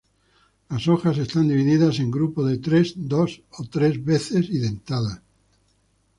Las hojas están divididas en grupos de tres dos o tres veces y dentadas.